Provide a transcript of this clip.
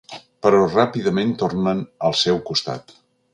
Però ràpidament tornen al seu costat.